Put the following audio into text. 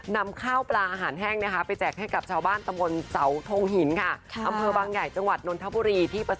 ทำพิธีเสร็จสิ้นไปแล้วใช่นะคะ